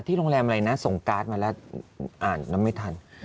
โรงแรมอะไรนะส่งการ์ดมาแล้วอ่านแล้วไม่ทัน